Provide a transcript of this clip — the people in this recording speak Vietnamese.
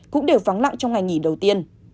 cũng đều vắng lặng trong ngày nghỉ đầu tiên